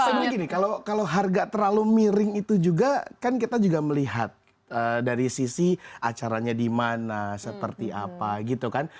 sebenarnya gini kalau harga terlalu miring itu juga kan kita juga melihat dari sisi acaranya di mana seperti apa gitu kan